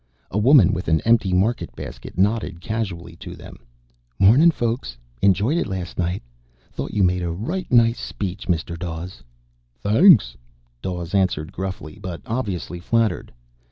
A woman, with an empty market basket, nodded casually to them. "Mornin', folks. Enjoyed it last night. Thought you made a right nice speech, Mr. Dawes." "Thanks," Dawes answered gruffly, but obviously flattered.